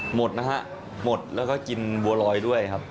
หมดนะฮะหมดแล้วก็กินบัวรอยด้วยครับ